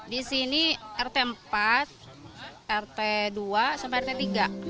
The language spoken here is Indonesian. di sini rt empat rt dua sampai rt tiga